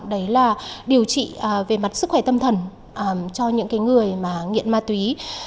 đấy là điều trị về mặt sức khỏe tâm thần cho những người mà nghiện ma túy